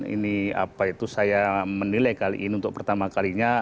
ini apa itu saya menilai kali ini untuk pertama kalinya